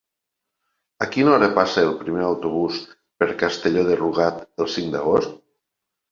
A quina hora passa el primer autobús per Castelló de Rugat el cinc d'agost?